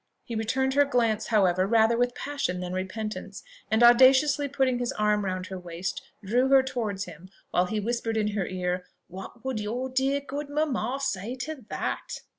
He returned her glance, however, rather with passion than repentance, and audaciously putting his arm round her waist, drew her towards him, while he whispered in her ear, "What would your dear good mamma say to that?"